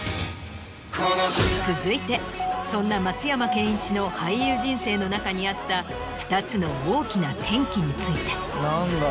続いてそんな松山ケンイチの俳優人生の中にあった２つの大きな転機について。